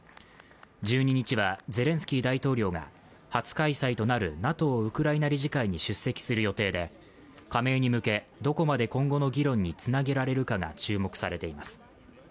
１２日はゼレンスキー大統領が初開催となるＮＡＴＯウクライナ理事会に出席する予定で、加盟に向けどこまで今後の議論につなげられるかが注目されています。